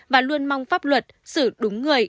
và luôn mong pháp luật xử đúng người